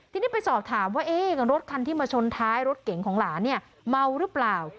ทีนี้ไปสอบถามว่ารถคันที่มาชนท้ายรถเก่งของหลานเนี่ยเมาหรือเปล่า